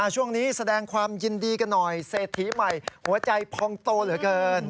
ช่วงนี้แสดงความยินดีกันหน่อยเศรษฐีใหม่หัวใจพองโตเหลือเกิน